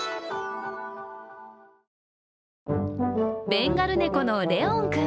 ベンガル猫のレオン君。